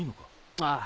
ああ。